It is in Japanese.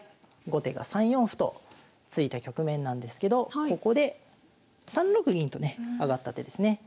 後手が３四歩と突いた局面なんですけどここで３六銀とね上がった手ですね。